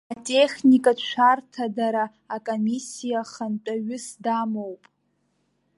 Атехникатә шәарҭадара акомиссиа хантәаҩыс дамоуп.